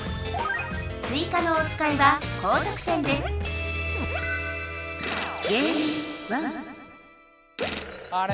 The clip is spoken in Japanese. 追加のおつかいは高得点ですあれ？